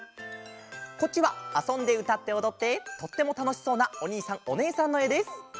こっちはあそんでうたっておどってとってもたのしそうなおにいさんおねえさんのえです。